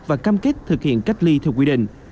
và cam kết thực hiện cách ly theo quy định